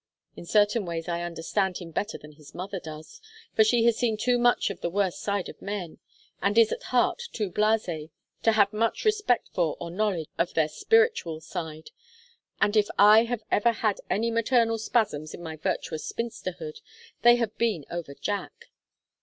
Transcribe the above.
In certain ways I understand him better than his mother does, for she has seen too much of the worst side of men, and is at heart too blasée to have much respect for or knowledge of their spiritual side; and if I have ever had any maternal spasms in my virtuous spinsterhood they have been over Jack.